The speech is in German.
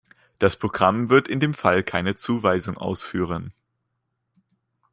Das Programm wird in dem Fall keine Zuweisung ausführen.